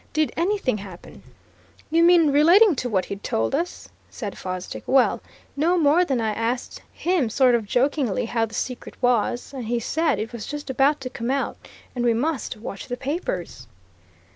Did anything happen?" "You mean relating to what he'd told us?" said Fosdick. "Well, no more than I asked him sort of jokingly, how the secret was. And he said it was just about to come out, and we must watch the papers."